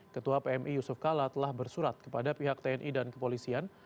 ketua pmi yusuf kala telah bersurat kepada pihak tni dan kepolisian